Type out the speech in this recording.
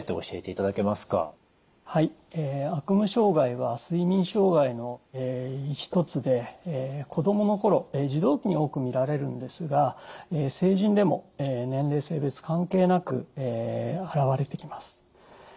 悪夢障害は睡眠障害の１つで子供の頃児童期に多く見られるんですが成人でも年齢性別関係なく現れてきます。